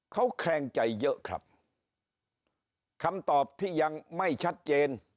เขาแคลงใจเยอะครับคำตอบที่ยังไม่ชัดเจน